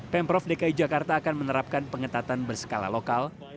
pemprov dki jakarta akan menerapkan pengetatan berskala lokal